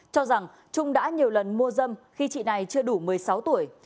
cho rằng trung đã nhiều lần mua dâm khi chị này chưa đủ một mươi sáu tuổi